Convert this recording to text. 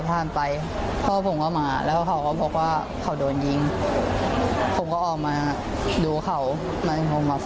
ผมไม่ทราบเลยต้องกับคนร้ายให้ได้